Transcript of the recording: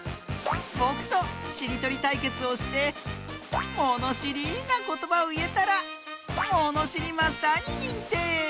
ぼくとしりとりたいけつをしてものしりなことばをいえたらもにしりマスターににんてい！